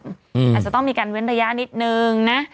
อาจจะต้องมีการเว้นระยะนิดนึงนะ